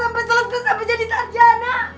sampai selesai sampai jadi sarjana